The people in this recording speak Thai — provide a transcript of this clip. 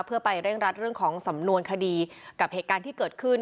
เพื่อไปเร่งรัดเรื่องของสำนวนคดีกับเหตุการณ์ที่เกิดขึ้น